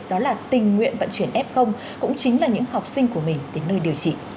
đó là tình nguyện vận chuyển f cũng chính là những học sinh của mình đến nơi điều trị